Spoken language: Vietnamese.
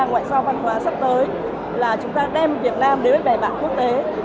ngoại giao văn hóa sắp tới là chúng ta đem việt nam đến với bề bản quốc tế